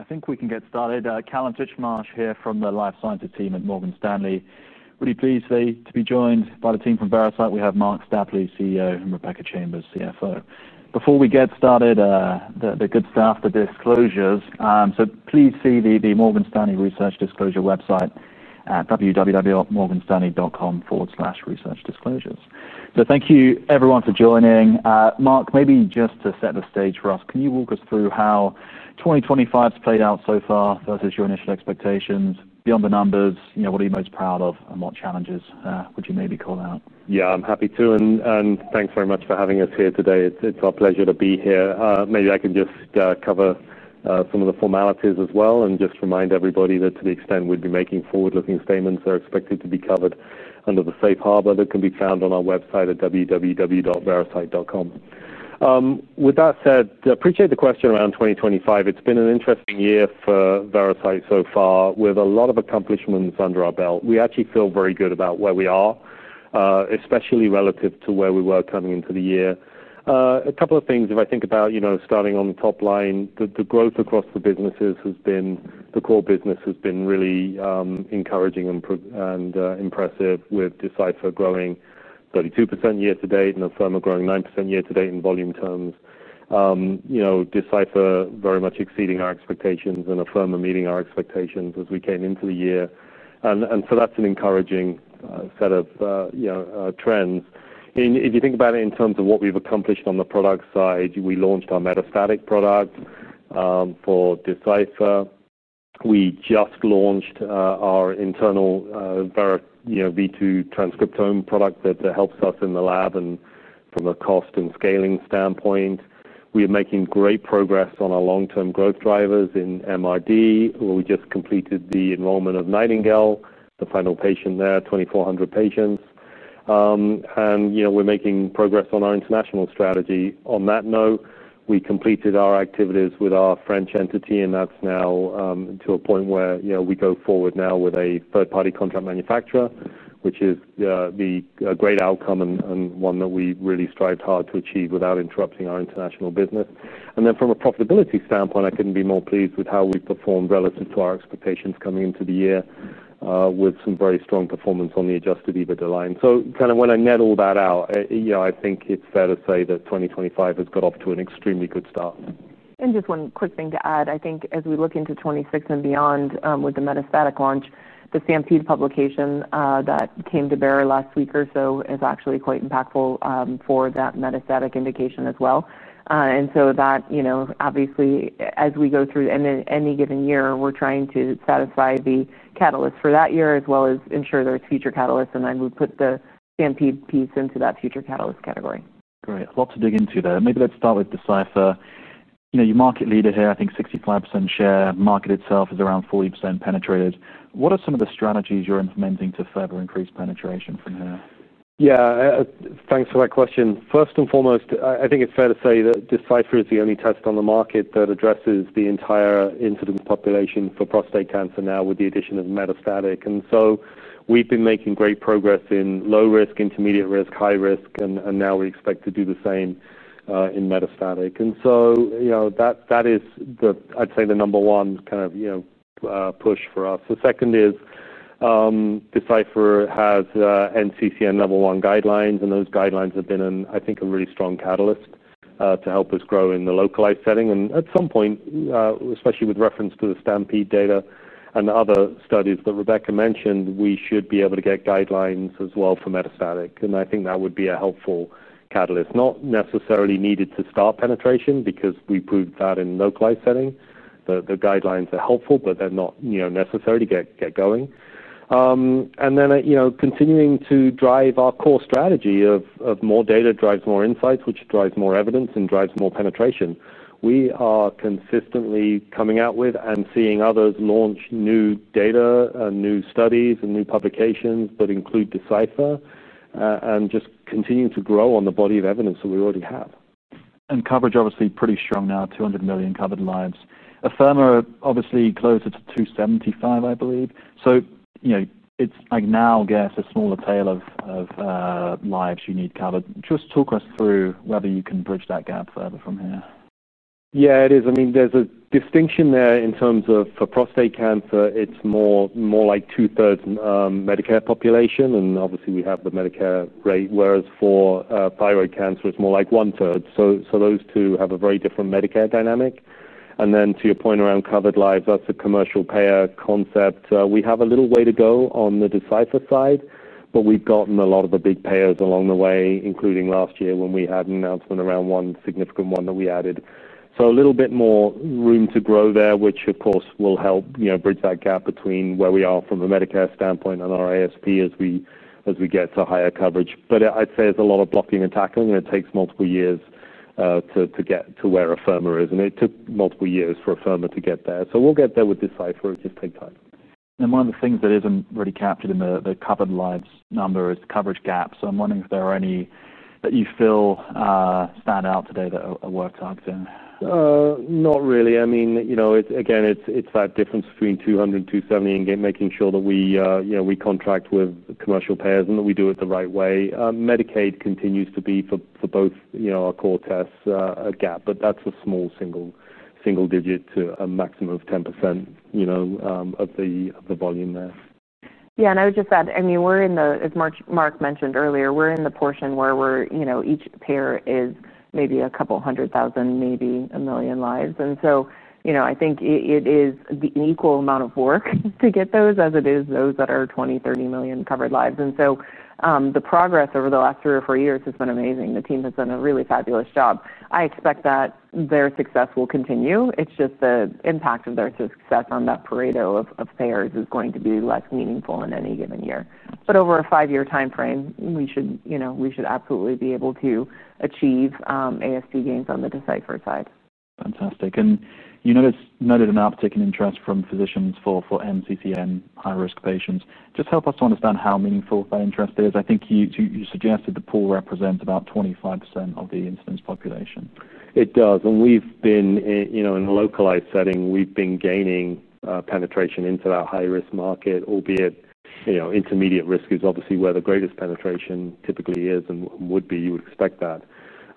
I think we can get started. Callum Tichmarsh here from the Life Sciences team at Morgan Stanley. Really pleased to be joined by the team from Veracyte. We have Marc Stapley, CEO, and Rebecca Chambers, CFO. Before we get started, the good stuff, the disclosures. Please see the Morgan Stanley Research Disclosure website at www.morganstanley.com/researchdisclosures. Thank you, everyone, for joining. Marc, maybe just to set the stage for us, can you walk us through how 2025's played out so far versus your initial expectations? Beyond the numbers, what are you most proud of and what challenges would you maybe call out? Yeah, I'm happy to, and thanks very much for having us here today. It's our pleasure to be here. Maybe I can just cover some of the formalities as well and just remind everybody that to the extent we'd be making forward-looking statements that are expected to be covered under the safe harbor that can be found on our website at www.veracyte.com. With that said, I appreciate the question around 2025. It's been an interesting year for Veracyte so far with a lot of accomplishments under our belt. We actually feel very good about where we are, especially relative to where we were coming into the year. A couple of things. If I think about, you know, starting on the top line, the growth across the businesses has been, the core business has been really encouraging and impressive. We've Decipher growing 32% year to date and Afirma growing 9% year to date in volume terms. You know, Decipher very much exceeding our expectations and Afirma meeting our expectations as we came into the year. That's an encouraging set of trends. If you think about it in terms of what we've accomplished on the product side, we launched our metastatic product for Decipher. We just launched our internal V2 transcriptome product that helps us in the lab and from a cost and scaling standpoint. We are making great progress on our long-term growth drivers in MRD, where we just completed the enrollment of Nightingale, the final patient there, 2,400 patients. You know, we're making progress on our international strategy. On that note, we completed our activities with our French entity, and that's now to a point where we go forward now with a third-party contract manufacturer, which is the great outcome and one that we really strived hard to achieve without interrupting our international business. From a profitability standpoint, I couldn't be more pleased with how we performed relative to our expectations coming into the year, with some very strong performance on the adjusted EBITDA line. When I net all that out, I think it's fair to say that 2025 has got off to an extremely good start. Just one quick thing to add. I think as we look into 2026 and beyond, with the metastatic launch, the Stampede publication that came to bear last week or so is actually quite impactful for that metastatic indication as well. Obviously, as we go through any given year, we're trying to satisfy the catalyst for that year as well as ensure there's future catalysts. We put the Stampede piece into that future catalyst category. Great. Lots to dig into there. Maybe let's start with Decipher. You know, your market leader here, I think 65% share, market itself is around 40% penetrated. What are some of the strategies you're implementing to further increase penetration from here? Yeah, thanks for that question. First and foremost, I think it's fair to say that Decipher is the only test on the market that addresses the entire incident population for prostate cancer now with the addition of metastatic. We've been making great progress in low risk, intermediate risk, high risk, and now we expect to do the same in metastatic. That is the, I'd say, the number one kind of push for us. The second is, Decipher has NCCN level one guidelines, and those guidelines have been, I think, a really strong catalyst to help us grow in the localized setting. At some point, especially with reference to the Stampede data and the other studies that Rebecca mentioned, we should be able to get guidelines as well for metastatic. I think that would be a helpful catalyst, not necessarily needed to start penetration because we proved that in the localized setting. The guidelines are helpful, but they're not necessary to get going. Then, continuing to drive our core strategy of more data drives more insights, which drives more evidence and drives more penetration. We are consistently coming out with and seeing others launch new data and new studies and new publications that include Decipher, and just continue to grow on the body of evidence that we already have. Coverage obviously pretty strong now, 200 million covered lives. Afirma obviously closer to 275, I believe. It's like now, I guess, a smaller tail of lives you need covered. Just talk us through whether you can bridge that gap further from here. Yeah, it is. I mean, there's a distinction there in terms of for prostate cancer, it's more like two-thirds Medicare population. Obviously, we have the Medicare rate, whereas for thyroid cancer, it's more like one-third. Those two have a very different Medicare dynamic. To your point around covered lives, that's a commercial payer concept. We have a little way to go on the Decipher side, but we've gotten a lot of the big payers along the way, including last year when we had an announcement around one significant one that we added. A little bit more room to grow there, which of course will help bridge that gap between where we are from a Medicare standpoint and our ASP as we get to higher coverage. I'd say there's a lot of blocking and tackling, and it takes multiple years to get to where Afirma is. It took multiple years for Afirma to get there. We'll get there with Decipher. It'll just take time. One of the things that isn't really captured in the covered lives number is coverage gaps. I'm wondering if there are any that you feel stand out today that are worth targeting? Not really. I mean, you know, again, it's that difference between 200 and 270 and making sure that we, you know, we contract with commercial payers and that we do it the right way. Medicaid continues to be for both, you know, our core tests a gap, but that's with small single digit to a maximum of 10% of the volume there. Yeah, and I would just add, I mean, as Marc mentioned earlier, we're in the portion where each payer is maybe a couple hundred thousand, maybe a million lives. I think it is an equal amount of work to get those as it is those that are 20, 30 million covered lives. The progress over the last three or four years has been amazing. The team has done a really fabulous job. I expect that their success will continue. It's just the impact of their success on that pareto of payers is going to be less meaningful in any given year. Over a five-year timeframe, we should absolutely be able to achieve ASP gains on the Decipher side. Fantastic. You noted an uptick in interest from physicians for NCCN high-risk patients. Help us to understand how meaningful that interest is. I think you suggested the pool represents about 25% of the incidence population. It does. We've been, you know, in a localized setting, gaining penetration into that high-risk market, albeit, you know, intermediate risk is obviously where the greatest penetration typically is and would be. You expect that.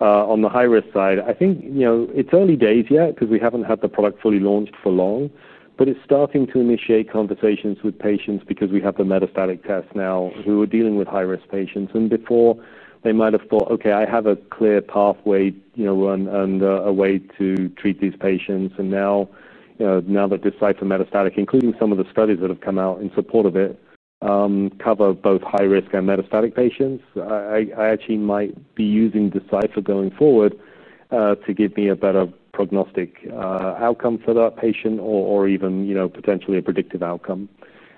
On the high-risk side, I think, you know, it's early days yet because we haven't had the product fully launched for long, but it's starting to initiate conversations with patients because we have the metastatic test now who are dealing with high-risk patients. Before, they might have thought, okay, I have a clear pathway, you know, and a way to treat these patients. Now that Decipher metastatic, including some of the studies that have come out in support of it, cover both high-risk and metastatic patients, I actually might be using Decipher going forward to give me a better prognostic outcome for that patient or even, you know, potentially a predictive outcome.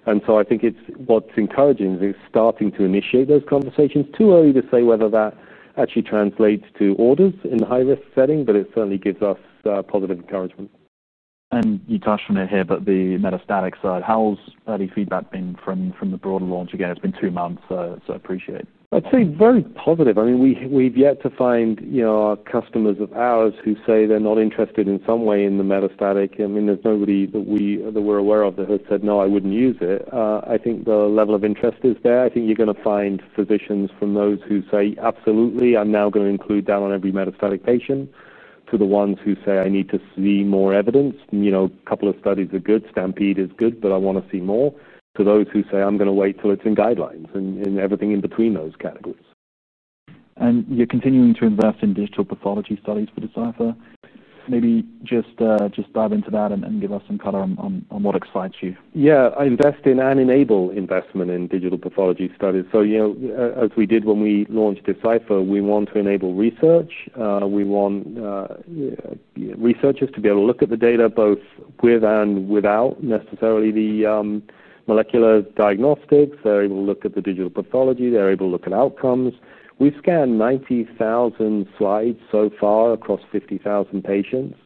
I think what's encouraging is starting to initiate those conversations. It's too early to say whether that actually translates to orders in the high-risk setting, but it certainly gives us positive encouragement. You touched on it here, but the metastatic side, how's early feedback been from the broader launch? It's been two months, so appreciate. I'd say very positive. We've yet to find customers of ours who say they're not interested in some way in the metastatic. There's nobody that we're aware of that has said, no, I wouldn't use it. I think the level of interest is there. I think you're going to find physicians from those who say, absolutely, I'm now going to include that on every metastatic patient to the ones who say, I need to see more evidence. A couple of studies are good. Stampede is good, but I want to see more to those who say, I'm going to wait till it's in guidelines and everything in between those categories. You're continuing to invest in digital pathology studies for Decipher. Maybe just dive into that and give us some color on what excites you. Yeah, I invest in and enable investment in digital pathology studies. As we did when we launched Decipher, we want to enable research. We want researchers to be able to look at the data both with and without necessarily the molecular diagnostics. They're able to look at the digital pathology. They're able to look at outcomes. We've scanned 90,000 slides so far across 50,000 patients,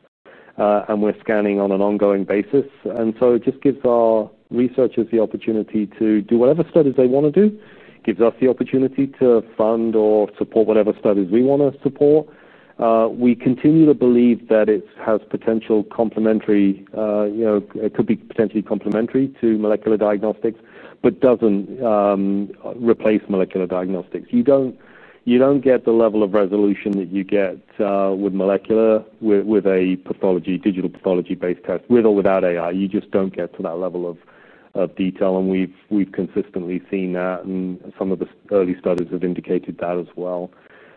and we're scanning on an ongoing basis. It just gives our researchers the opportunity to do whatever studies they want to do. It gives us the opportunity to fund or support whatever studies we want to support. We continue to believe that it has potential complementary, you know, it could be potentially complementary to molecular diagnostics, but doesn't replace molecular diagnostics. You don't get the level of resolution that you get with molecular, with a digital pathology-based test with or without AI. You just don't get to that level of detail. We've consistently seen that, and some of the early studies have indicated that as well.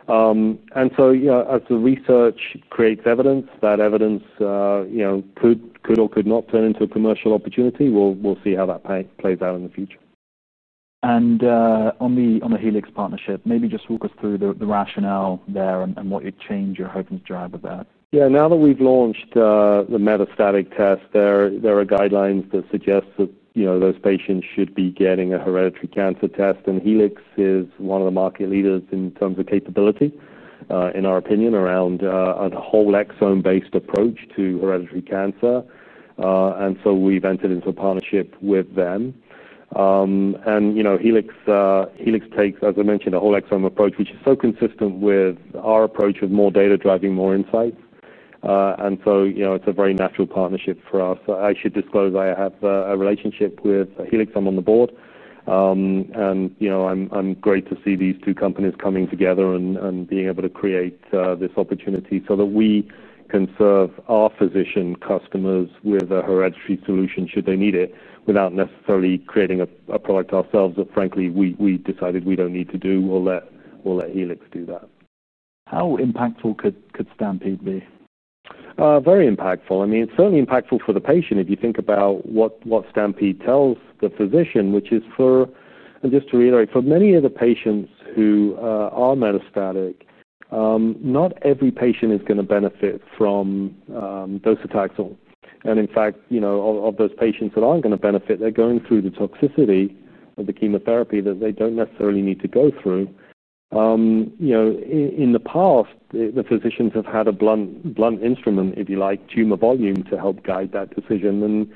As the research creates evidence, that evidence could or could not turn into a commercial opportunity. We'll see how that plays out in the future. On the Helix partnership, maybe just walk us through the rationale there and what change you're hoping to drive with that. Now that we've launched the metastatic test, there are guidelines that suggest that those patients should be getting a hereditary cancer test. Helix is one of the market leaders in terms of capability, in our opinion, around a whole exome-based approach to hereditary cancer. We've entered into a partnership with them. Helix takes, as I mentioned, a whole exome approach, which is so consistent with our approach of more data driving more insights. It's a very natural partnership for us. I should disclose I have a relationship with Helix. I'm on the board. I'm great to see these two companies coming together and being able to create this opportunity so that we can serve our physician customers with a hereditary solution should they need it without necessarily creating a product ourselves that, frankly, we decided we don't need to do. We'll let Helix do that. How impactful could Stampede be? Very impactful. I mean, it's certainly impactful for the patient. If you think about what Stampede tells the physician, which is for, and just to reiterate, for many of the patients who are metastatic, not every patient is going to benefit from docetaxel. In fact, of those patients that aren't going to benefit, they're going through the toxicity of the chemotherapy that they don't necessarily need to go through. In the past, the physicians have had a blunt instrument, if you like, tumor volume to help guide that decision.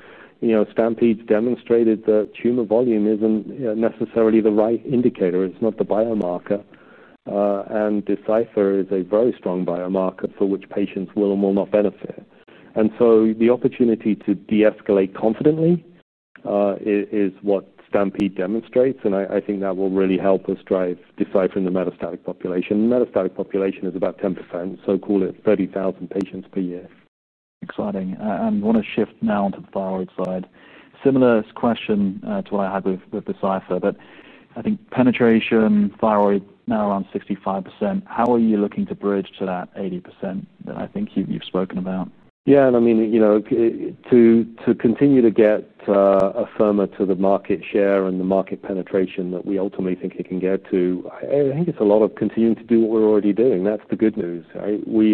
Stampede's demonstrated that tumor volume isn't necessarily the right indicator. It's not the biomarker. Decipher is a very strong biomarker for which patients will and will not benefit. The opportunity to de-escalate confidently is what Stampede demonstrates. I think that will really help us drive Decipher in the metastatic population. The metastatic population is about 10%. Call it 30,000 patients per year. Exciting. I want to shift now onto the thyroid side. Similar question to what I had with Decipher, but I think penetration, thyroid now around 65%. How are you looking to bridge to that 80% that I think you've spoken about? Yeah, and I mean, to continue to get Afirma to the market share and the market penetration that we ultimately think it can get to, I think it's a lot of continuing to do what we're already doing. That's the good news, right? We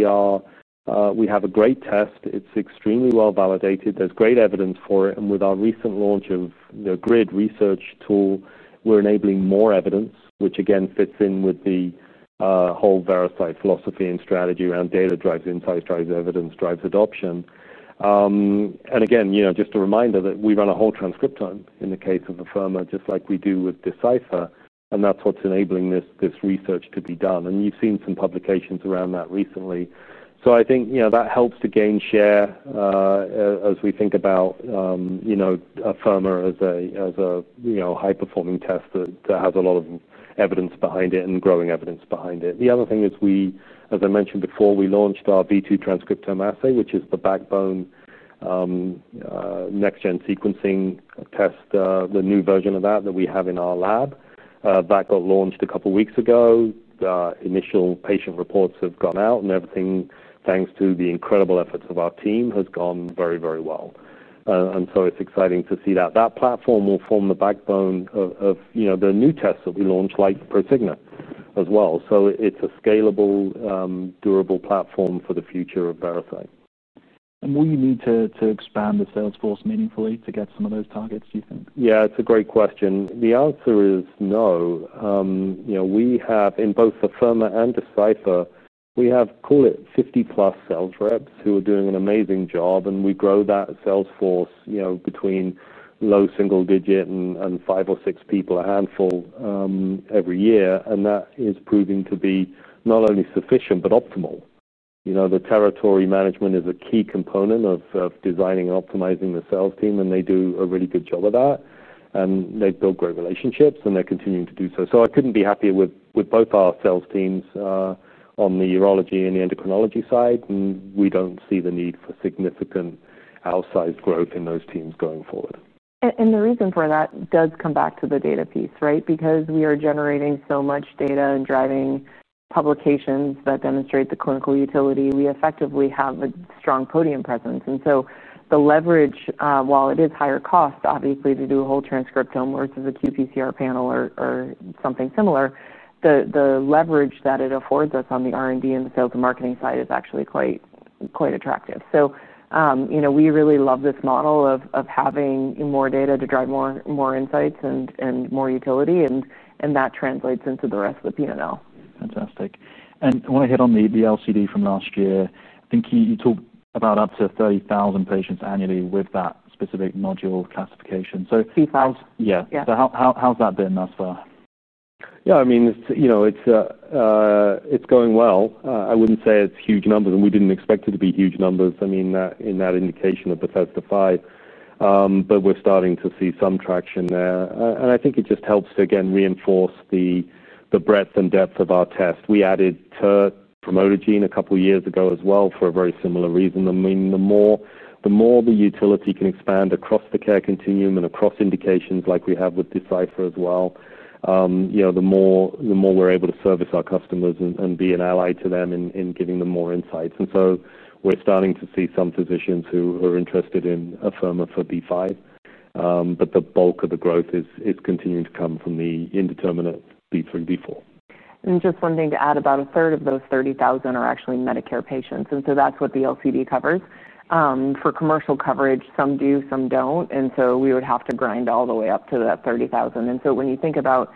have a great test. It's extremely well validated. There's great evidence for it. With our recent launch of the GRID research tool, we're enabling more evidence, which again fits in with the whole Veracyte philosophy and strategy around data drives insights, drives evidence, drives adoption. Just a reminder that we run a whole transcriptome in the case of Afirma, just like we do with Decipher. That's what's enabling this research to be done. You've seen some publications around that recently. I think that helps to gain share as we think about Afirma as a high-performing test that has a lot of evidence behind it and growing evidence behind it. The other thing is we, as I mentioned before, we launched our V2 transcriptome assay, which is the backbone next-gen sequencing test, the new version of that that we have in our lab. That got launched a couple of weeks ago. The initial patient reports have gone out and everything, thanks to the incredible efforts of our team, has gone very, very well. It's exciting to see that. That platform will form the backbone of the new tests that we launch like Prosigna as well. It's a scalable, durable platform for the future of Veracyte. Will you need to expand the sales force meaningfully to get some of those targets, do you think? Yeah, it's a great question. The answer is no. You know, we have, in both Afirma and Decipher, we have, call it, 50+ sales reps who are doing an amazing job. We grow that sales force, you know, between low single digit and five or six people, a handful, every year. That is proving to be not only sufficient but optimal. The territory management is a key component of designing and optimizing the sales team. They do a really good job of that. They've built great relationships, and they're continuing to do so. I couldn't be happier with both our sales teams, on the urology and the endocrinology side. We don't see the need for significant outside growth in those teams going forward. The reason for that does come back to the data piece, right? Because we are generating so much data and driving publications that demonstrate the clinical utility, we effectively have a strong podium presence. The leverage, while it is higher cost, obviously, to do a whole transcriptome versus a qPCR panel or something similar, the leverage that it affords us on the R&D and the sales and marketing side is actually quite, quite attractive. We really love this model of having more data to drive more insights and more utility. That translates into the rest of the P&L. Fantastic. I want to hit on the LCD from last year. I think you talked about up to 30,000 patients annually with that specific nodule classification. How's that been thus far? Yeah, I mean, you know, it's going well. I wouldn't say it's huge numbers, and we didn't expect it to be huge numbers. I mean, in that indication of Bethesda-5, we're starting to see some traction there. I think it just helps to, again, reinforce the breadth and depth of our test. We added TERT promoter gene a couple of years ago as well for a very similar reason. The more the utility can expand across the care continuum and across indications like we have with Decipher as well, the more we're able to service our customers and be an ally to them in giving them more insights. We're starting to see some physicians who are interested in Afirma for B5, but the bulk of the growth is continuing to come from the indeterminate B3B4. Just one thing to add, about a third of those 30,000 are actually Medicare patients. That's what the LCD covers. For commercial coverage, some do, some don't. We would have to grind all the way up to that 30,000. When you think about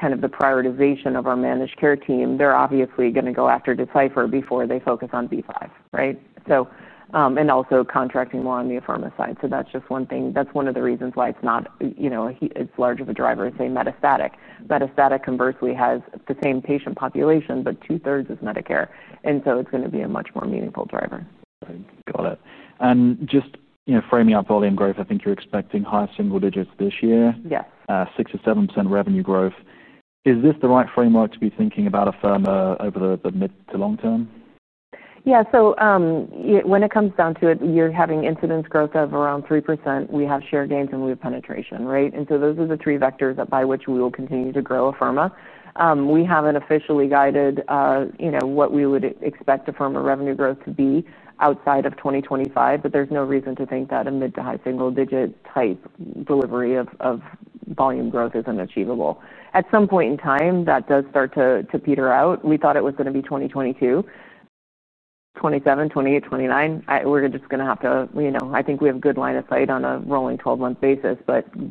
the prioritization of our managed care team, they're obviously going to go after Decipher before they focus on B5, right? Also, contracting more on the Afirma side. That's just one thing. That's one of the reasons why it's not as large of a driver as metastatic. Metastatic conversely has the same patient population, but two thirds is Medicare. It's going to be a much more meaningful driver. Right. Got it. Just, you know, framing up volume growth, I think you're expecting higher single digits this year. Yes. Six or seven % revenue growth. Is this the right framework to be thinking about Afirma over the mid to long term? Yeah, so when it comes down to it, you're having incidence growth of around 3%. We have share gains and we have penetration, right? Those are the three vectors by which we will continue to grow Afirma. We haven't officially guided, you know, what we would expect Afirma revenue growth to be outside of 2025. There's no reason to think that a mid to high single digit type delivery of volume growth isn't achievable. At some point in time, that does start to peter out. We thought it was going to be 2022, 2027, 2028, 2029. We're just going to have to, you know, I think we have a good line of sight on a rolling 12-month basis.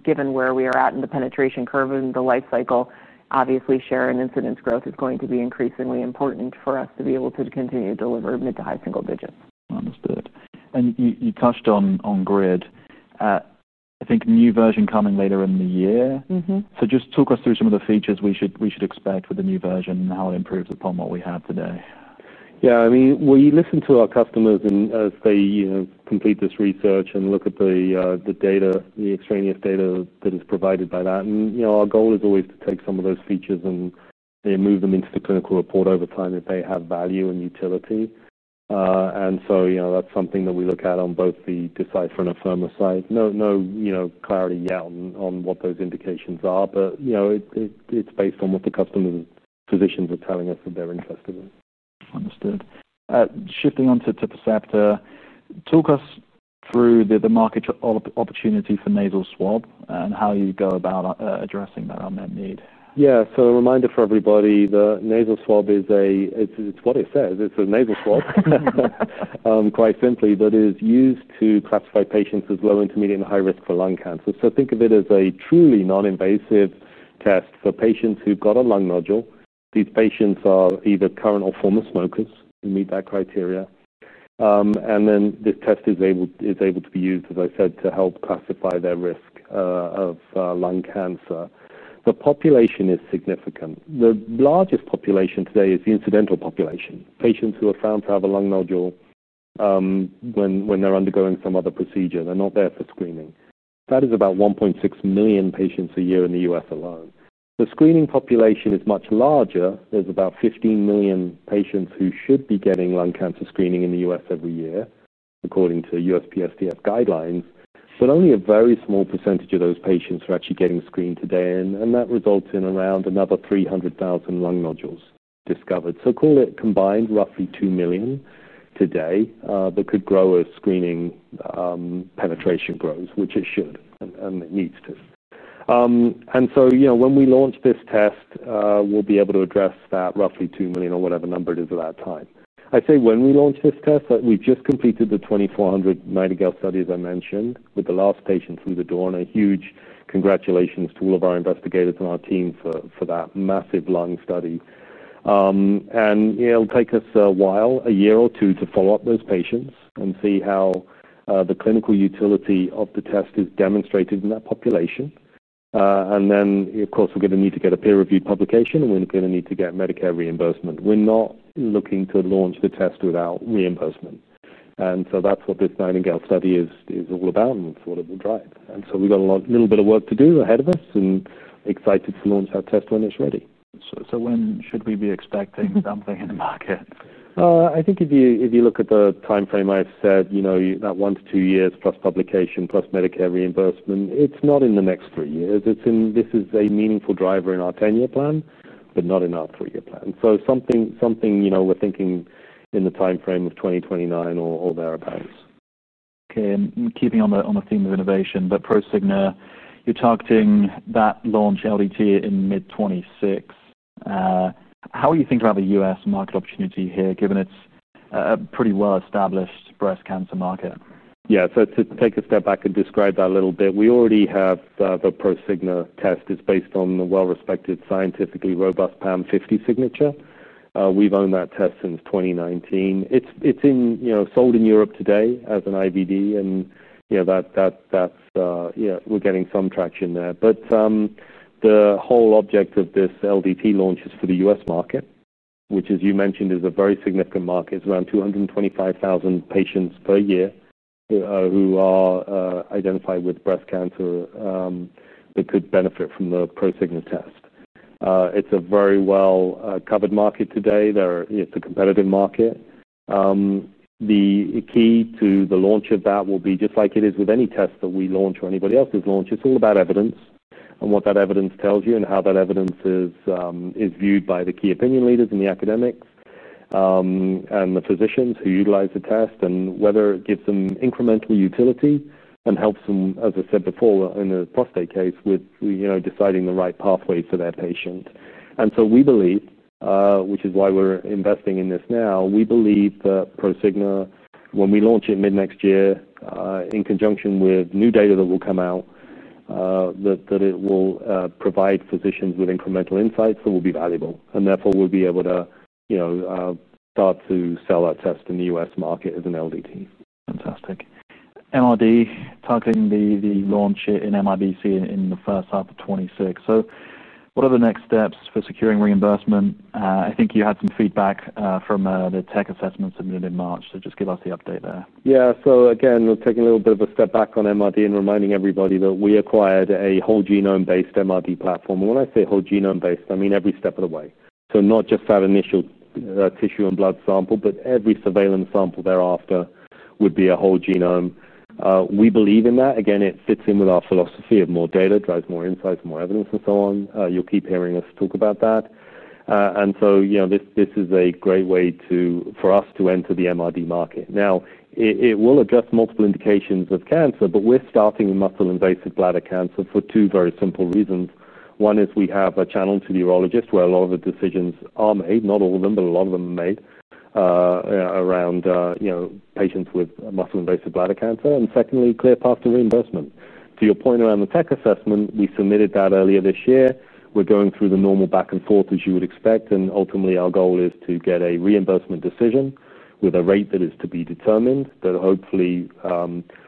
Given where we are at in the penetration curve and the life cycle, obviously share and incidence growth is going to be increasingly important for us to be able to continue to deliver mid to high single digits. Understood. You touched on GRID. I think new version coming later in the year. Just talk us through some of the features we should expect with the new version and how it improves upon what we have today. Yeah, I mean, we listen to our customers as they complete this research and look at the data, the extraneous data that is provided by that. Our goal is always to take some of those features and move them into the clinical report over time if they have value and utility. That's something that we look at on both the Decipher and Afirma side. No clarity yet on what those indications are, but it's based on what the customers' physicians are telling us that they're interested in. Understood. Shifting onto Percepta, talk us through the market opportunity for nasal swab and how you go about addressing that unmet need. Yeah, so a reminder for everybody, the Percepta nasal swab is a, it's what it says. It's a nasal swab, quite simply, that is used to classify patients as low, intermediate, and high risk for lung cancer. Think of it as a truly non-invasive test for patients who've got a lung nodule. These patients are either current or former smokers who meet that criteria. This test is able to be used, as I said, to help classify their risk of lung cancer. The population is significant. The largest population today is the incidental population, patients who are found to have a lung nodule when they're undergoing some other procedure. They're not there for screening. That is about 1.6 million patients a year in the U.S. alone. The screening population is much larger. There's about 15 million patients who should be getting lung cancer screening in the U.S. every year, according to the NCCN guidelines. Only a very small % of those patients are actually getting screened today. That results in around another 300,000 lung nodules discovered. Call it combined, roughly 2 million today that could grow as screening penetration grows, which it should and it needs to. When we launch this test, we'll be able to address that roughly 2 million or whatever number it is at that time. I say when we launch this test, we've just completed the 2,400 Nightingale studies I mentioned with the last patient from the Dorna. Huge congratulations to all of our investigators and our team for that massive lung study. It'll take us a while, a year or two, to follow up those patients and see how the clinical utility of the test is demonstrated in that population. Of course, we're going to need to get a peer-reviewed publication. We're going to need to get Medicare reimbursement. We're not looking to launch the test without reimbursement. That's what this Nightingale study is all about and sort of will drive. We've got a little bit of work to do ahead of us and excited to launch our test when it's ready. When should we be expecting something in the market? I think if you look at the timeframe I've said, that one to two years plus publication plus Medicare reimbursement, it's not in the next three years. This is a meaningful driver in our 10-year plan, but not in our three-year plan. We're thinking in the timeframe of 2029 or thereabouts. Okay, and keeping on the theme of innovation, with Prosigna, you're targeting that launch early to mid-2026. How are you thinking about the U.S. market opportunity here, given it's a pretty well-established breast cancer market? Yeah, to take a step back and describe that a little bit, we already have the Prosigna test. It's based on the well-respected, scientifically robust PAM-50 signature. We've owned that test since 2019. It's sold in Europe today as an IVD, and you know that's where we're getting some traction. The whole object of this LDT launch is for the U.S. market, which, as you mentioned, is a very significant market. It's around 225,000 patients per year who are identified with breast cancer that could benefit from the Prosigna test. It's a very well-covered market today. It's a competitive market. The key to the launch of that will be just like it is with any test that we launch or anybody else has launched. It's all about evidence and what that evidence tells you and how that evidence is viewed by the key opinion leaders and the academics and the physicians who utilize the test and whether it gives them incremental utility and helps them, as I said before, in the prostate case with deciding the right pathway for their patient. We believe, which is why we're investing in this now, we believe that Prosigna, when we launch it mid-next year, in conjunction with new data that will come out, that it will provide physicians with incremental insights that will be valuable. Therefore, we'll be able to start to sell that test in the U.S. market as an LDT. Fantastic. MRD targeting the launch in MRD in the first half of 2026. What are the next steps for securing reimbursement? I think you had some feedback from the tech assessment submitted in March. Just give us the update there. Yeah, so again, we're taking a little bit of a step back on MRD and reminding everybody that we acquired a whole genome-based MRD platform. When I say whole genome-based, I mean every step of the way. Not just that initial tissue and blood sample, but every surveillance sample thereafter would be a whole genome. We believe in that. It fits in with our philosophy of more data drives more insights, more evidence, and so on. You'll keep hearing us talk about that. This is a great way for us to enter the MRD market. It will address multiple indications of cancer, but we're starting in muscle invasive bladder cancer for two very simple reasons. One is we have a channel to the urologist where a lot of the decisions are made, not all of them, but a lot of them are made around patients with muscle invasive bladder cancer. Secondly, clear path to reimbursement. To your point around the tech assessment, we submitted that earlier this year. We're going through the normal back and forth as you would expect. Ultimately, our goal is to get a reimbursement decision with a rate that is to be determined that hopefully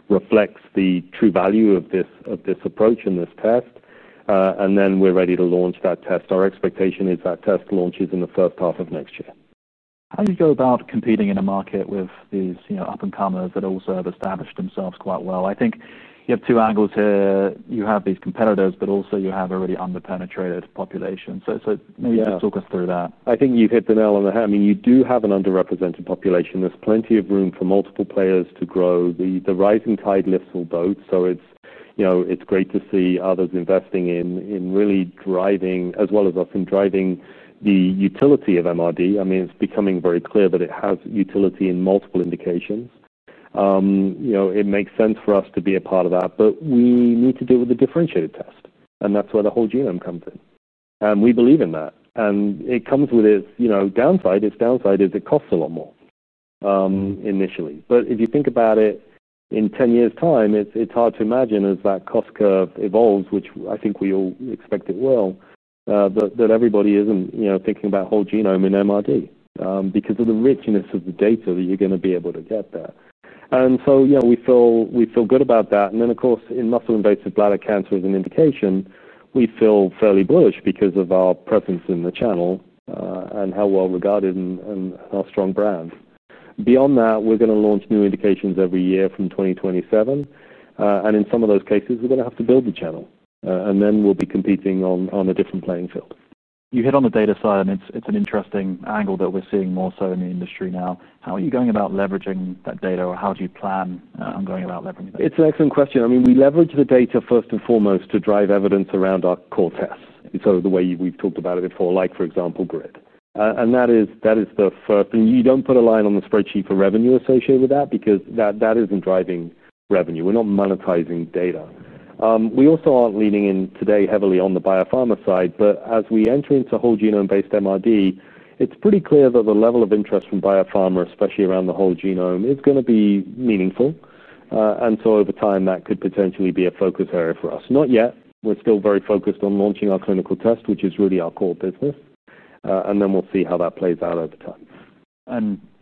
reflects the true value of this approach and this test. We're ready to launch that test. Our expectation is that test launches in the first half of next year. How do you go about competing in a market with these, you know, up-and-comers that also have established themselves quite well? I think you have two angles here. You have these competitors, but also you have a really underpenetrated population. Maybe just talk us through that. I think you've hit the nail on the head. I mean, you do have an underrepresented population. There's plenty of room for multiple players to grow. The rising tide lifts all boats. It's great to see others investing in really driving, as well as us in driving the utility of MRD. I mean, it's becoming very clear that it has utility in multiple indications. It makes sense for us to be a part of that. We need to deal with a differentiated test, and that's where the whole genome comes in. We believe in that, and it comes with its downside. Its downside is it costs a lot more initially. If you think about it in 10 years' time, it's hard to imagine as that cost curve evolves, which I think we all expect it will, that everybody isn't thinking about whole genome in MRD because of the richness of the data that you're going to be able to get there. We feel good about that. Of course, in muscle invasive bladder cancer as an indication, we feel fairly bullish because of our presence in the channel and how well regarded and our strong brand. Beyond that, we're going to launch new indications every year from 2027, and in some of those cases, we're going to have to build the channel. Then we'll be competing on a different playing field. You hit on the data side, and it's an interesting angle that we're seeing more so in the industry now. How are you going about leveraging that data, or how do you plan on going about leveraging that? It's an excellent question. I mean, we leverage the data first and foremost to drive evidence around our core tests. The way we've talked about it before, like for example, GRID. That is the first. You don't put a line on the spreadsheet for revenue associated with that because that isn't driving revenue. We're not monetizing data. We also aren't leaning in today heavily on the BioPharma side. As we enter into whole genome-based MRD, it's pretty clear that the level of interest from BioPharma, especially around the whole genome, is going to be meaningful. Over time, that could potentially be a focus area for us. Not yet. We're still very focused on launching our clinical test, which is really our core business. We'll see how that plays out over time.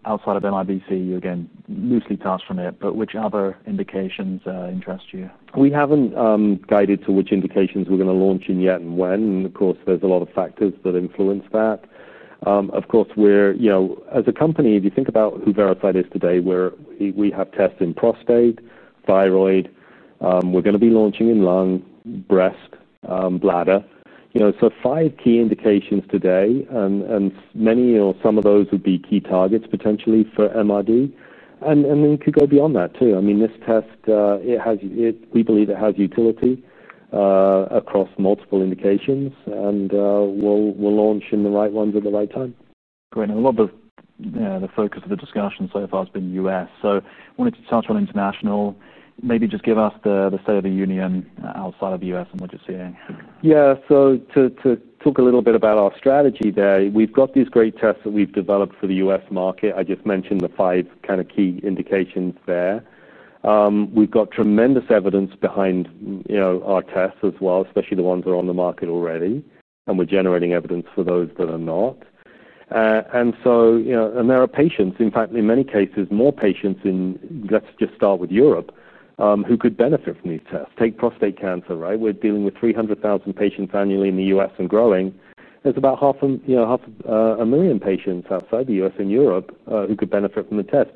Outside of MRD, you again, loosely tasked from it, but which other indications interest you? We haven't guided to which indications we're going to launch in yet and when. There are a lot of factors that influence that. If you think about Veracyte today, we have tests in prostate, thyroid. We're going to be launching in lung, breast, bladder. Five key indications today, and many or some of those would be key targets potentially for MRD. It could go beyond that too. This test, we believe it has utility across multiple indications. We'll launch in the right ones at the right time. Great. A lot of the focus of the discussion so far has been U.S. I wanted to touch on international. Maybe just give us the State of the Union outside of the U.S. and what you're seeing. Yeah, to talk a little bit about our strategy there, we've got these great tests that we've developed for the U.S. market. I just mentioned the five kind of key indications there. We've got tremendous evidence behind our tests as well, especially the ones that are on the market already. We're generating evidence for those that are not. There are patients, in fact, in many cases, more patients in, let's just start with Europe, who could benefit from these tests. Take prostate cancer, right? We're dealing with 300,000 patients annually in the U.S. and growing. There's about half a million patients outside the U.S. and Europe who could benefit from the test.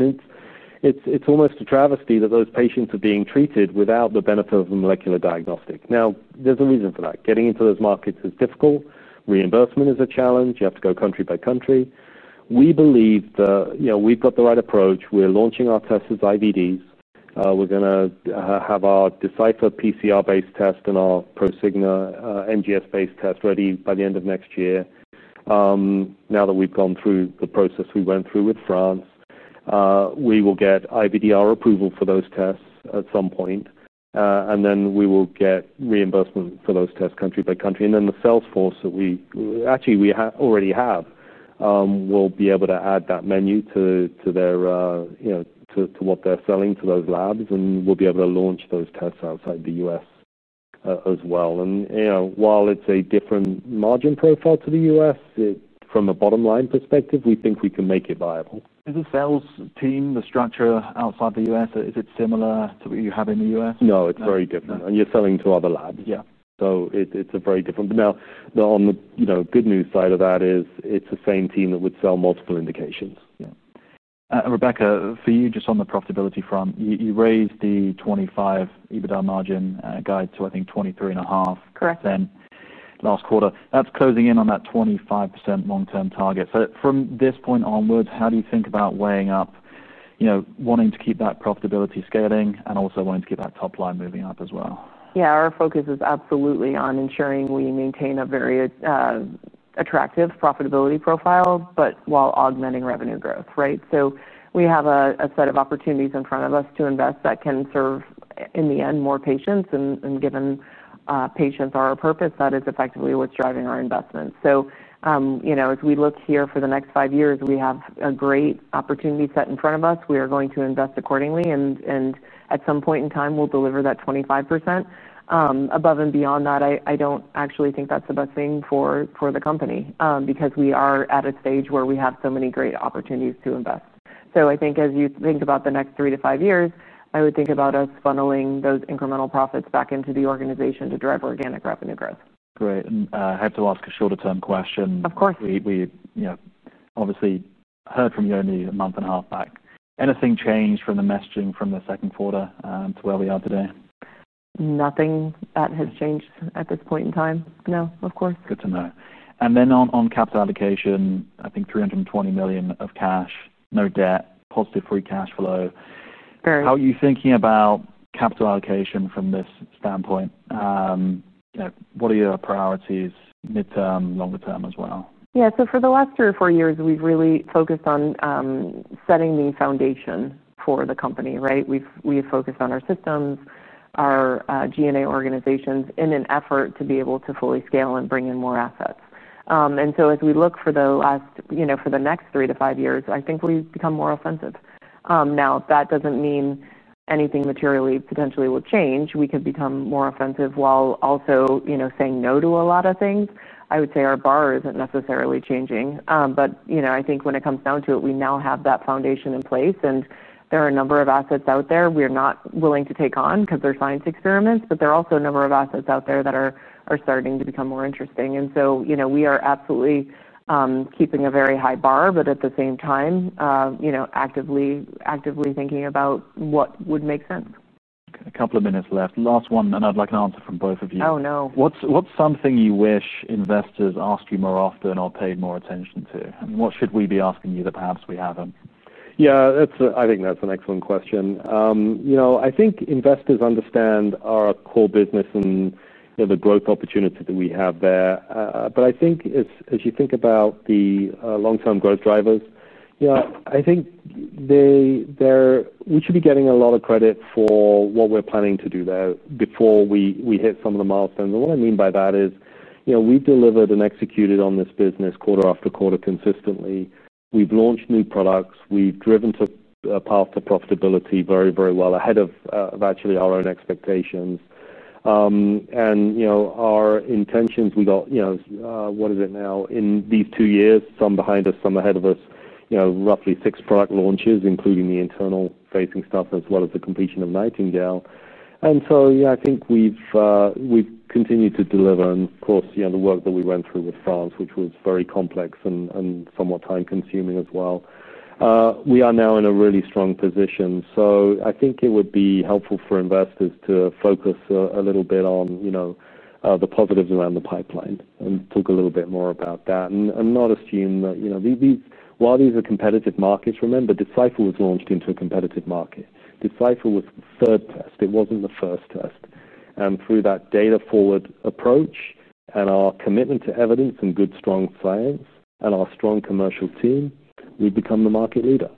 It's almost a travesty that those patients are being treated without the benefit of a molecular diagnostic. There's a reason for that. Getting into those markets is difficult. Reimbursement is a challenge. You have to go country by country. We believe that we've got the right approach. We're launching our tests as IVDs. We're going to have our Decipher PCR-based test and our Prosigna MGS-based test ready by the end of next year. Now that we've gone through the process we went through with France, we will get IVDR approval for those tests at some point. We will get reimbursement for those tests country by country. The sales force that we actually already have will be able to add that menu to what they're selling to those labs. We'll be able to launch those tests outside the U.S. as well. While it's a different margin profile to the U.S., from a bottom line perspective, we think we can make it viable. Is the sales team, the structure outside the U.S., is it similar to what you have in the U.S.? No, it's very different. You're selling to other labs. Yeah, it's very different. The good news side of that is it's the same team that would sell multiple indications. Yeah. Rebecca, for you, just on the profitability front, you raised the 2025 adjusted EBITDA margin guide to, I think, 23.5% last quarter. That's closing in on that 25% long-term target. From this point onwards, how do you think about weighing up, you know, wanting to keep that profitability scaling and also wanting to keep that top line moving up as well? Yeah, our focus is absolutely on ensuring we maintain a very attractive profitability profile, while augmenting revenue growth, right? We have a set of opportunities in front of us to invest that can serve, in the end, more patients. Given patients are our purpose, that is effectively what's driving our investment. As we look here for the next five years, we have a great opportunity set in front of us. We are going to invest accordingly. At some point in time, we'll deliver that 25%. Above and beyond that, I don't actually think that's the best thing for the company because we are at a stage where we have so many great opportunities to invest. I think as you think about the next three to five years, I would think about us funneling those incremental profits back into the organization to drive organic revenue growth. Great. I have to ask a shorter-term question. Of course. We obviously heard from you only a month and a half back. Anything changed from the messaging from the second quarter to where we are today? Nothing that has changed at this point in time. No, of course. Good to know. On capital allocation, I think $320 million of cash, no debt, positive free cash flow. Very good. How are you thinking about capital allocation from this standpoint? What are your priorities mid-term, longer term as well? Yeah, so for the last three or four years, we've really focused on setting the foundation for the company, right? We have focused on our systems, our G&A organizations in an effort to be able to fully scale and bring in more assets. As we look for the next three to five years, I think we've become more offensive. That doesn't mean anything materially potentially will change. We could become more offensive while also, you know, saying no to a lot of things. I would say our bar isn't necessarily changing. I think when it comes down to it, we now have that foundation in place. There are a number of assets out there we're not willing to take on because they're science experiments, but there are also a number of assets out there that are starting to become more interesting. We are absolutely keeping a very high bar, but at the same time, you know, actively thinking about what would make sense. A couple of minutes left. Last one, and I'd like an answer from both of you. Oh, no. What's something you wish investors asked you more often or paid more attention to? What should we be asking you that perhaps we haven't? Yeah, I think that's an excellent question. I think investors understand our core business and the growth opportunity that we have there. I think as you think about the long-term growth drivers, we should be getting a lot of credit for what we're planning to do there before we hit some of the milestones. What I mean by that is, we delivered and executed on this business quarter after quarter consistently. We've launched new products. We've driven a path to profitability very, very well, ahead of actually our own expectations. Our intentions, we got, what is it now, in these two years, some behind us, some ahead of us, roughly six product launches, including the internal facing stuff as well as the completion of Nightingale. I think we've continued to deliver. Of course, the work that we went through with FAS, which was very complex and somewhat time-consuming as well. We are now in a really strong position. I think it would be helpful for investors to focus a little bit on the positives around the pipeline and talk a little bit more about that and not assume that, while these are competitive markets, remember, Decipher was launched into a competitive market. Decipher was the third test. It wasn't the first test. Through that data-forward approach and our commitment to evidence and good strong science and our strong commercial team, we've become the market leader.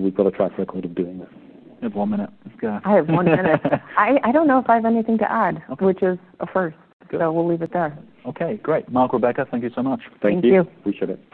We've got a track record of doing that. You have one minute. I have one minute. I don't know if I have anything to add, which is a first. We'll leave it there. Okay, great. Marc, Rebecca, thank you so much. Thank you. Thank you. Appreciate it.